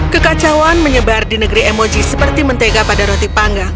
kekacauan menyebar di negeri emoji seperti mentega pada roti pangga